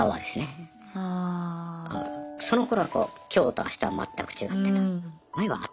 そのころは今日と明日は全く違ってた。